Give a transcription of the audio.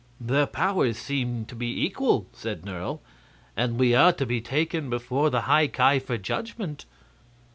"Their powers seem to be equal," said Nerle, "and we are to be taken before the High Ki for judgment."